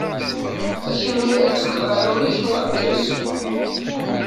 Acimi ara tefkeḍ aɛrur-ik i uɛekkaz?